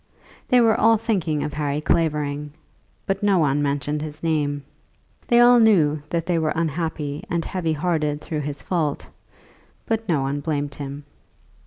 They were all thinking of Harry Clavering, but no one mentioned his name. They all knew that they were unhappy and heavy hearted through his fault, but no one blamed him.